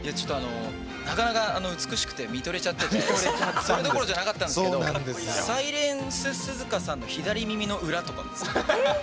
なかなか美しくて見とれちゃっててそれどころじゃなかったんですけどサイレンススズカさんの左耳の裏とかですか。